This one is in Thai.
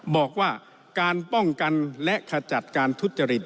บอกว่าการป้องกันและขจัดการทุจริต